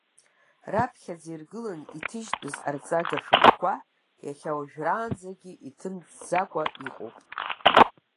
Раԥхьаӡа иргыланы иҭыжьтәыз арҵага шәҟәқәа иахьауажәраанӡагьы иҭымҵӡацкәа иҟоуп.